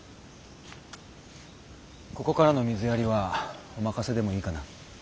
ここからの水やりはお任せでもいいかな。